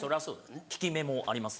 利き目もあります。